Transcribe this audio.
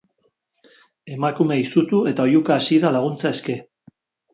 Emakumea izutu eta oihuka hasi da laguntza eske.